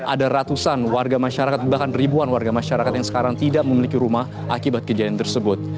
ada ratusan warga masyarakat bahkan ribuan warga masyarakat yang sekarang tidak memiliki rumah akibat kejadian tersebut